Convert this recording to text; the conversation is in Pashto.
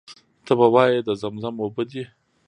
ته به وایې د زمزم اوبه دي.